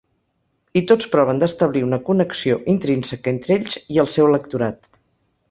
I tots proven d’establir una connexió intrínseca entre ells i el seu electorat.